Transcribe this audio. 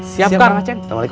siap kang aceh